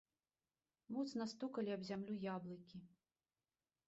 Моцна стукалі аб зямлю яблыкі.